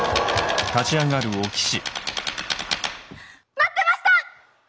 待ってました！